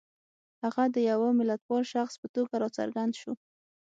هغه د یوه ملتپال شخص په توګه را څرګند شو.